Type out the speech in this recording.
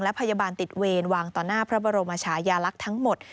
และพยาบาลติดเวรวางต่อหน้าพระบรมชายาลักษณ์ทั้งหมด